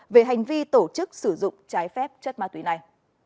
về hành vi tổ chức sử dụng trái phép chất ma túy này